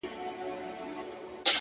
ښکلا د کال له ټولو جنجالونو راوتلې!